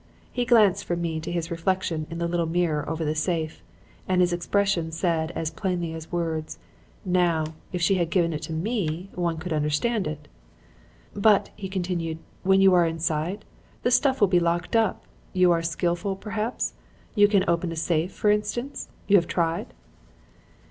He glanced from me to his reflection in the little mirror over the safe; and his expression said as plainly as words, 'Now, if she had given it to me, one could understand it.' "'But,' he continued, 'when you are inside? The stuff will be locked up. You are skilful, perhaps? You can open a safe, for instance? You have tried?'